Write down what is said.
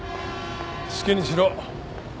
好きにしろ。